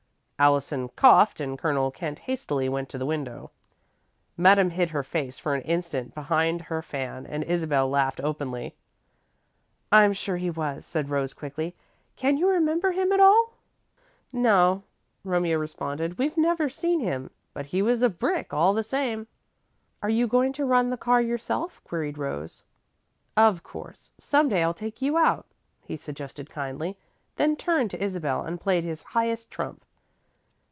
Allison coughed and Colonel Kent hastily went to the window. Madame hid her face for an instant behind her fan and Isabel laughed openly. "I'm sure he was," said Rose, quickly. "Can you remember him at all?" "No," Romeo responded, "we've never seen him, but he was a brick all the same." "Are you going to run the car yourself?" queried Rose. "Of course. Some day I'll take you out," he suggested, kindly, then turned to Isabel and played his highest trump.